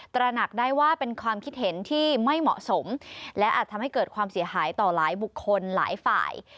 ตระหนักได้ว่าเป็นความคิดเห็นที่ไม่เหมาะสมและอาจทำให้เกิดความเสียหายต่อหลายบุคคลหลายฝ่าย